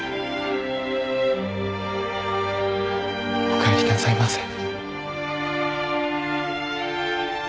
おかえりなさいませ。